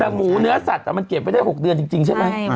แต่หมูเนื้อสัตว์มันเก็บไว้ได้๖เดือนจริงใช่ไหม